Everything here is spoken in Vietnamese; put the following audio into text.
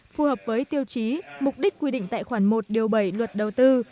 phù hợp với tiêu chí mục đích quy định tại khoản một điều bảy luật đầu tư